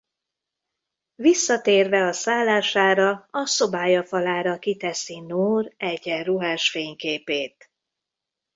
Visszatérve a szállására a szobája falára kiteszi Noor egyenruhás fényképét.